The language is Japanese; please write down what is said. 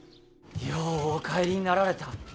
ようお帰りになられた。